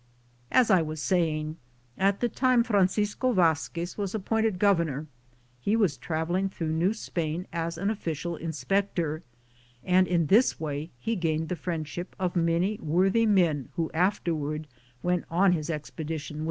As I was saying, at the time Fran cisco Vazquez was appointed governor, he was traveling through New Spain as an offi cial inspector, and in this way he gained the friendship of many worthy men who after ward went on his expedition with him.